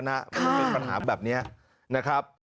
มันไม่มีปัญหาแบบนี้นะครับ